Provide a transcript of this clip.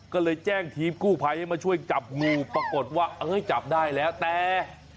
ก็เลยแจ้งทีมกู้ภัยให้มาช่วยจับงูปรากฏว่าเอ้ยจับได้แล้วแต่